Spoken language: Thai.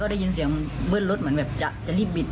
ได้ยินเสียงเบิ้ลรถเหมือนแบบจะรีบบิด